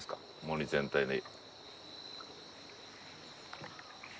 森全体に。